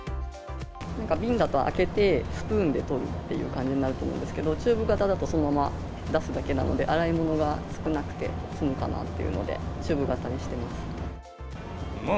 なんか瓶だと開けて、スプーンで取るっていう感じになると思うんですけど、チューブ型だと、そのまま出すだけなので、洗い物が少なくて済むかなっていうので、チューブ型にしています。